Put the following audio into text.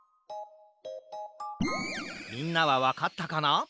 みんなはわかったかな？